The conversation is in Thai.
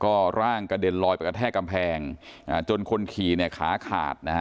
ก็ร่างกระเด็นลอยไปกระแทกกำแพงจนคนขี่เนี่ยขาขาดนะฮะ